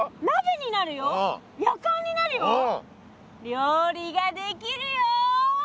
料理ができるよ！